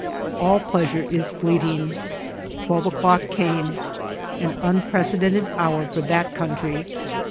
All pleasure is fleeting. Twelve o'clock came, an unprecedented hour for that country.